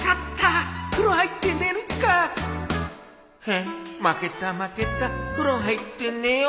へっ負けた負けた風呂入って寝よう